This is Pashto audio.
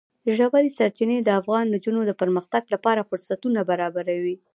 ژورې سرچینې د افغان نجونو د پرمختګ لپاره فرصتونه برابروي.